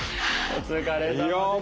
お疲れさまでした。